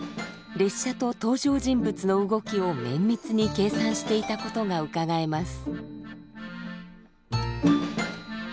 列車と登場人物の動きを綿密に計算していたことがうかがえます。